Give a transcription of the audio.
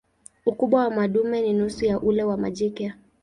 Ukubwa wa madume ni nusu ya ule wa majike.